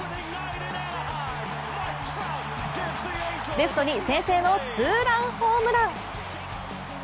レフトに先制のツーランホームラン。